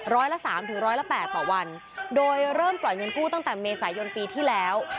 ละสามถึงร้อยละแปดต่อวันโดยเริ่มปล่อยเงินกู้ตั้งแต่เมษายนปีที่แล้ว